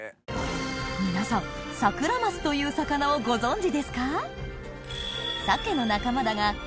皆さんサクラマスという魚をご存じですか？